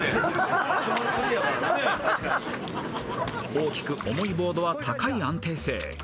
［大きく重いボードは高い安定性］